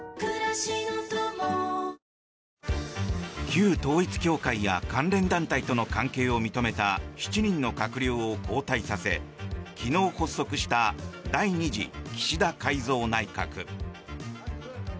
旧統一教会や関連団体との関係を認めた７人の閣僚を交代させ昨日、発足した第２次岸田改造内閣。